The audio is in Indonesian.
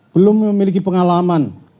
belum memiliki pengalaman